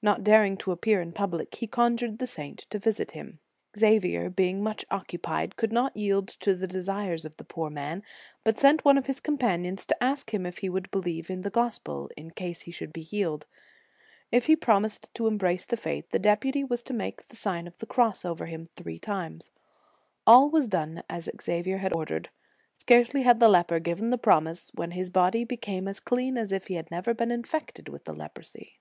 Not daring to appear in public, he conjured the saint to visit him. Xavier, being much occupied, could not yield to the desires of the poor man, but sent * Mabillon, ubi supra, c. xiv. n. 47. 15 1 70 The Sign of the Cross one of his companions to ask him if he would believe in the Gospel, in case he should be healed. If he promised to embrace the faith, the deputy was to make the Sign of the Cross over him three times. All was done as Xavier had ordered. Scarcely had the leper given the promise, when his body became as clean as if he had never been infected with the leprosy.